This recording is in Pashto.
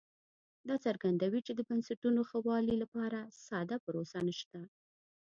دا څرګندوي چې د بنسټونو ښه والي لپاره ساده پروسه نشته